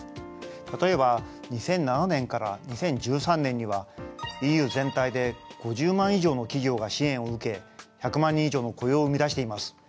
例えば２００７年から２０１３年にはＥＵ全体で５０万以上の企業が支援を受け１００万人以上の雇用を生み出しています。